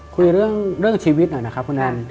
คุยเรื่องชีวิตหน่อยนะครับคุณแอน